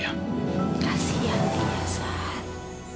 kasian dia sat